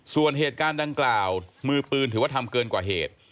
ส่วนเหตุการณ์ดังกล่าวมือปืนถือว่าทำเกินกว่าเหตุ